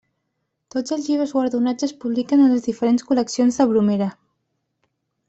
Tots els llibres guardonats es publiquen en les diferents col·leccions de Bromera.